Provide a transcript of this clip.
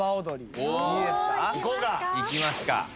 おいきますか。